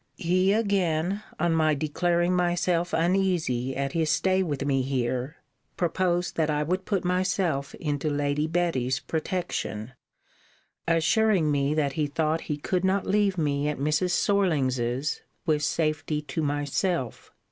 He again, on my declaring myself uneasy at his stay with me here, proposed that I would put myself into Lady Betty's protection; assuring me that he thought he could not leave me at Mrs. Sorlings's with safety to myself.